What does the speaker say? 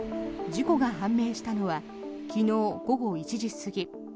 事故が判明したのは昨日午後１時過ぎ。